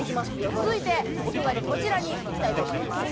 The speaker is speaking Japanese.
続いてお隣こちらにいきたいと思います